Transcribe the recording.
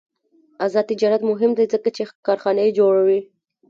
آزاد تجارت مهم دی ځکه چې کارخانې جوړوي.